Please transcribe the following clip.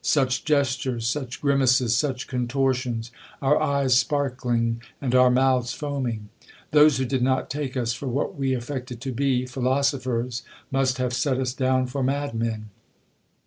Such gestures ! such grimaces ! such contortions ! Our eyes sparkling, and our mouths foaming ! Those who did not take us for what we affected to be, philosophers, must have set us down for madmen.